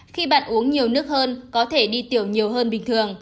khi bạn uống nhiều nước hơn có thể đi tiểu nhiều hơn bình thường